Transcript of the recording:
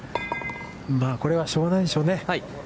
これはしょうがないでしょうね。